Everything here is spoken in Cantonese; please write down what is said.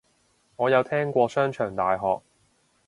我有聽過商場大學